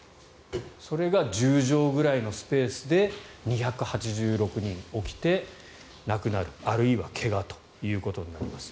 それが１０畳くらいのスペースで２８６人起きて、亡くなるあるいは怪我ということになります。